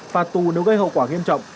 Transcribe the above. phạt tù nếu gây hậu quả nghiêm trọng